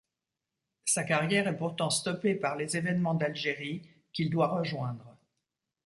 Sa carrière est pourtant stoppée par les événements d'Algérie qu'il doit rejoindre.